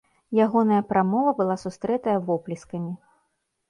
Ягоная прамова была сустрэтая воплескамі.